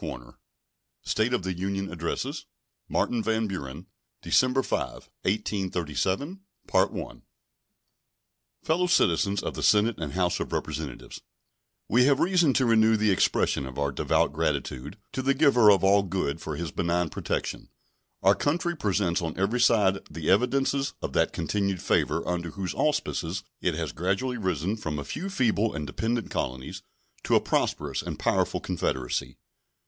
State of the Union Address Martin van Buren December 5, 1837 Fellow Citizens of the Senate and House of Representatives: We have reason to renew the expression of our devout gratitude to the Giver of All Good for His benign protection. Our country presents on every side the evidences of that continued favor under whose auspices it, has gradually risen from a few feeble and dependent colonies to a prosperous and powerful confederacy.